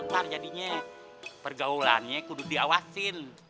ntar jadinya pergaulannya kuduk diawasin